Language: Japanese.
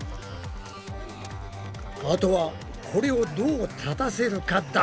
あとはこれをどう立たせるかだったな。